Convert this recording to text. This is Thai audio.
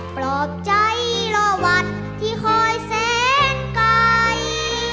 ปลอบใจรอวันที่คอยแสนไกล